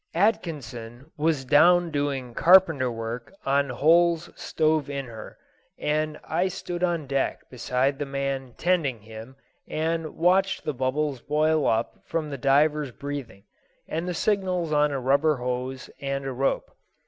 Atkinson was down doing carpenter work on holes stove in her, and I stood on deck beside the man "tending" him, and watched the bubbles boil up from the diver's breathing, and the signals on a rubber hose and a rope.